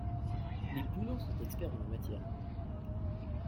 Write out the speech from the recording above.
Les Boulon sont experts en la matière.